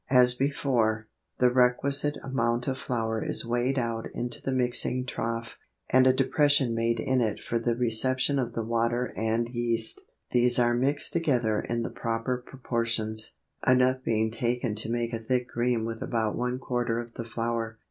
As before, the requisite amount of flour is weighed out into the mixing trough, and a depression made in it for the reception of the water and yeast. These are mixed together in the proper proportions, enough being taken to make a thick cream with about one quarter of the flour.